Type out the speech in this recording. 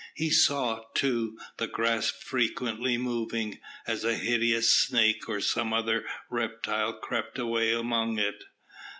He saw, too, the grass frequently moving, as a hideous snake or some other reptile crept away among it.